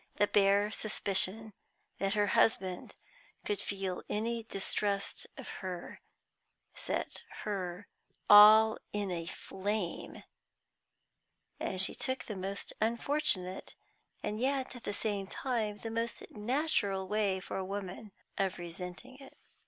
The bare suspicion that her husband could feel any distrust of her set her all in a flame, and she took the most unfortunate, and yet, at the same time, the most natural way for a woman, of resenting it.